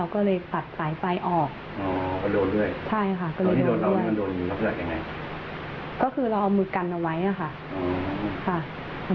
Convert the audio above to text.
ก็คือเรามือกันเอาไว้อะค่ะ